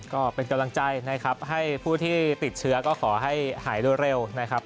ก็เป็นกำลังใจนะครับให้ผู้ที่ติดเชื้อก็ขอให้หายเร็วนะครับ